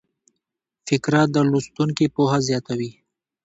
فقره د لوستونکي پوهه زیاتوي.